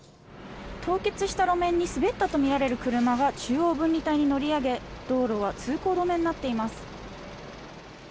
凍結した路面に滑ったとみられる車が中央分離帯に乗り上げ道路は通行止めになっています。